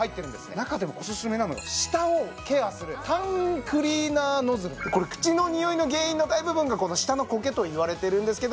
中でもおすすめなのが舌をケアするこれ口のにおいの原因の大部分が舌のこけといわれてるんですけど